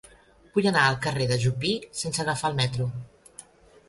Vull anar al carrer de Jupí sense agafar el metro.